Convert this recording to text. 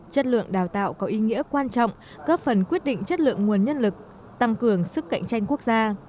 chất lượng đào tạo có ý nghĩa quan trọng góp phần quyết định chất lượng nguồn nhân lực tăng cường sức cạnh tranh quốc gia